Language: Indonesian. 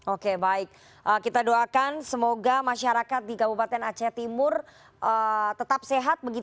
oke baik kita doakan semoga masyarakat di kabupaten aceh timur tetap sehat